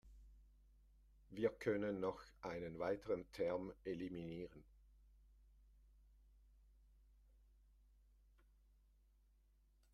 Wir können noch einen weiteren Term eliminieren.